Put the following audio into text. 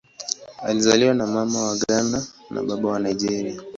Amezaliwa na Mama wa Ghana na Baba wa Nigeria.